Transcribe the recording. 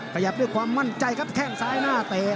ขยับด้วยความมั่นใจครับแข้งซ้ายหน้าเตะ